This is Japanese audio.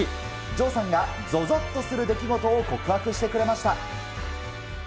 城さんがぞぞっとする出来事を告白してくれました。